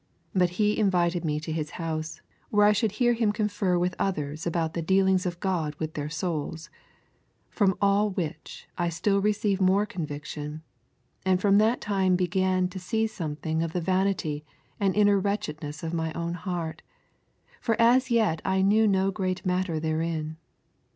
But he invited me to his house, where I should hear him confer with others about the dealings of God with their souls, from all which I still received more conviction, and from that time began to see something of the vanity and inner wretchedness of my own heart, for as yet I knew no great matter therein